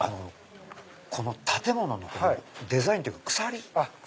この建物のデザインっていうか鎖。